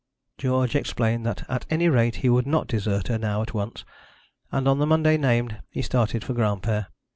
George explained that at any rate he would not desert her now at once; and on the Monday named he started for Granpere.